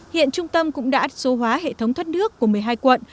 hiện trung tâm cũng đã số hóa hệ thống thoát nước của một mươi hai quận